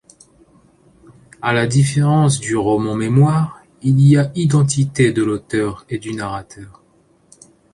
À la différence du roman-mémoires, il y a identité de l’auteur et du narrateur.